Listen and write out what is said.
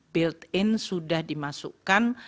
build in sudah dimasukkan